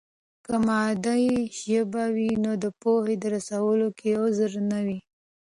که مادي ژبه وي نو د پوهې رسولو کې غدر نه وي.